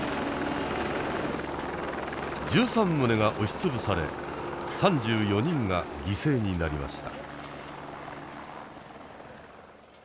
１３棟が押し潰され３４人が犠牲になりました。